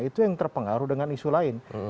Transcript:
itu yang terpengaruh dengan isu lain